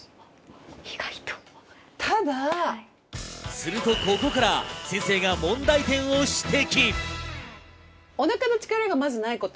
するとここから先生が問題点を指摘。